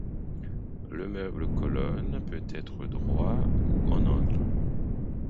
Le meuble colonne peut être droit ou en angle.